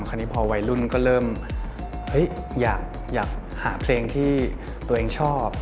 คราวนี้พอวัยรุ่นก็เริ่มอยากหาเพลงที่ตัวเองชอบ